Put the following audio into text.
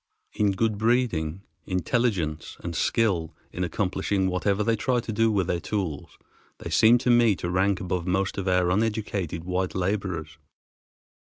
In good breeding, intelligence, and skill in accomplishing whatever they try to do with tools they seem to me to rank above most of our uneducated white laborers.